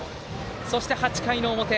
そして８回の表。